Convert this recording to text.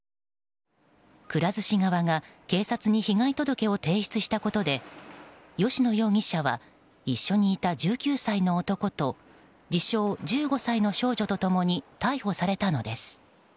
くら寿司側が、警察に被害届を提出したことで吉野容疑者は一緒にいた１９歳の男と自称１５歳の少女と共に逮捕されたのです。